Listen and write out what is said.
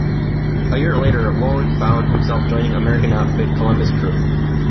A year later Woan found himself joining American outfit Columbus Crew.